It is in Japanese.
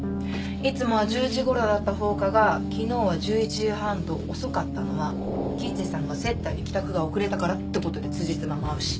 いつもは１０時頃だった放火が昨日は１１時半と遅かったのは吉瀬さんが接待で帰宅が遅れたからって事で辻褄も合うし。